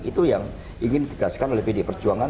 itu yang ingin dikegaskan oleh bdi perjuangan